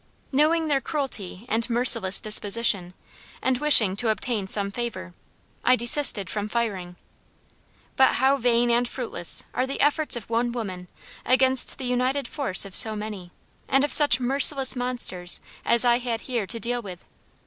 Knowing their cruelty and merciless disposition, and wishing to obtain some favor, I desisted from firing; but how vain and fruitless are the efforts of one woman against the united force of so many, and of such merciless monsters as I had here to deal with!